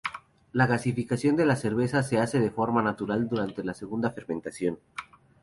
La gasificación de la cerveza se hace de forma natural durante la segunda fermentación.